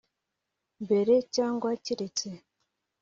Mbere cyangwa keretse